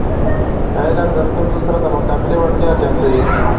علم د ستونزو سره د مقابلي وړتیا زیاتوي.